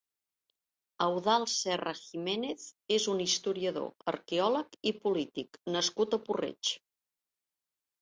Eudald Serra Giménez és un historiador, arqueòleg i polític nascut a Puig-reig.